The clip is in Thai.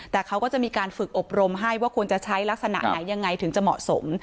แต่เขาก็จะมีการฝึกอบรมให้ว่าควรจะใช้ลักษณะไหนยังไงถึงจะเหมาะสม